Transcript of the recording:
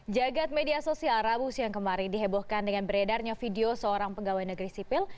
jagat media sosial rabu siang kemarin dihebohkan dengan beredarnya video seorang pegawai negeri sipil